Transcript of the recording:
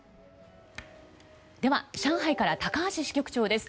では、上海から高橋支局長です。